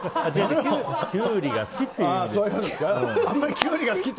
キュウリが好きって。